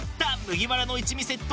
麦わらの一味セット